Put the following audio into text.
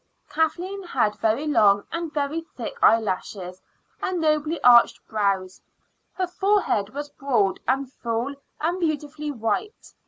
Kathleen had very long and very thick eyelashes and nobly arched brows. Her forehead was broad and full and beautifully white.